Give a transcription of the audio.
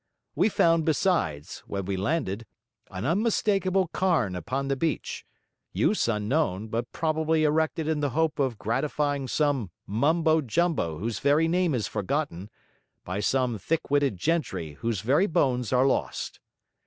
We found besides, when we landed, an unmistakable cairn upon the beach; use unknown; but probably erected in the hope of gratifying some mumbo jumbo whose very name is forgotten, by some thick witted gentry whose very bones are lost.